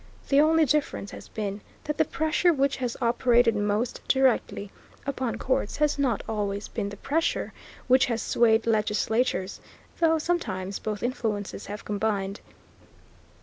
The only difference has been that the pressure which has operated most directly upon courts has not always been the pressure which has swayed legislatures, though sometimes both influences have combined.